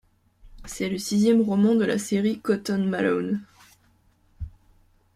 C'est le sixième roman de la série Cotton Malone.